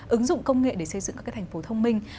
ứng dụng công nghệ để xây dựng các thành phố thông minh